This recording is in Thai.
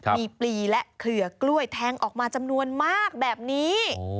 มีปลีและเขือกล้วยแทงออกมาจำนวนมากแบบนี้